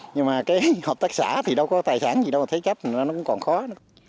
nhưng mà cái hợp tác xã thì đâu có tài sản gì đâu mà thế chấp thì nó cũng còn khó nữa